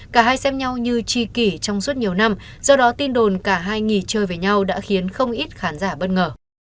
cả hai xem nhau như chi kỷ trong suốt nhiều năm do đó tin đồn cả hai nghỉ chơi với nhau đã khiến không ít khán giả bất ngờ